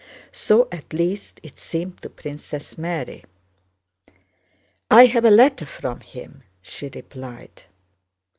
So at least it seemed to Princess Mary. "I have a letter from him," she replied.